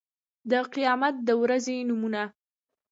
د قيامت د ورځې نومونه